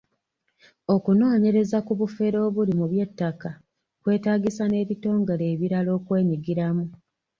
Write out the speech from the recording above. Okunoonyereza ku bufere obuli mu by’ettaka kwetaagisa n'ebitongole ebirala okwenyigiramu.